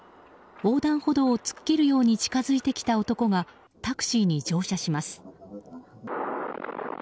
横断歩道を突っ切るように近づいてきた男がタクシーに乗車します。